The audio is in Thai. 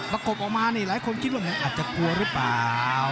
กบออกมานี่หลายคนคิดว่ามันอาจจะกลัวหรือเปล่า